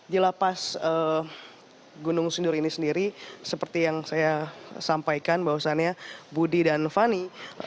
di lapas gunung sindur ini sendiri seperti yang saya sampaikan bahwasannya budi dan fani